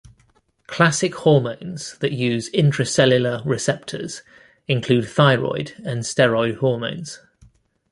Classic hormones that use intracellular receptors include thyroid and steroid hormones.